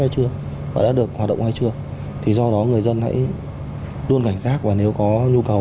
hay chưa và đã được hoạt động hay chưa thì do đó người dân hãy luôn cảnh giác và nếu có nhu cầu